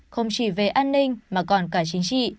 không chỉ về an ninh mà còn cả chính trị